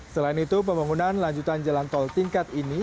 selain itu pembangunan lanjutan jalan tol tingkat ini